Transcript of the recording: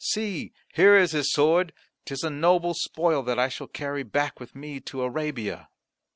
See, here is his sword; 'tis a noble spoil that I shall carry back with me to Arabia."